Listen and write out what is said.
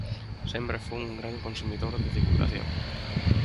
Sempre fun un gran consumidor de divulgación.